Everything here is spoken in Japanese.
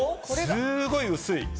すごい薄い。